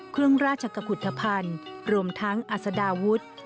เครื่องราชกุธภัณฑ์รวมทั้งอัศดาวุฒิ